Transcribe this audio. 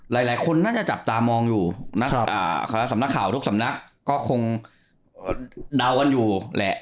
หลายคนน่าจะจับตามองอยู่สำนักข่าวทุกสำนักก็คงเดากันอยู่แหละ